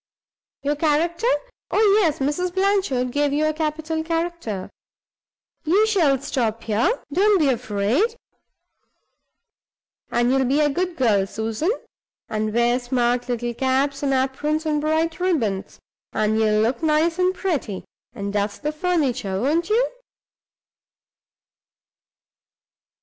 Your character? Oh, yes! Mrs. Blanchard gave you a capital character. You shall stop here; don't be afraid. And you'll be a good girl, Susan, and wear smart little caps and aprons and bright ribbons, and you'll look nice and pretty, and dust the furniture, won't you?"